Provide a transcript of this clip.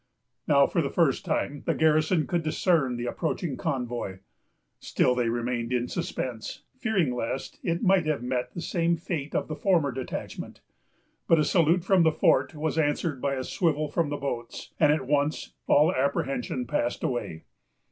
Now, for the first time, the garrison could discern the approaching convoy. Still they remained in suspense, fearing lest it might have met the fate of the former detachment; but a salute from the fort was answered by a swivel from the boats, and at once all apprehension passed away.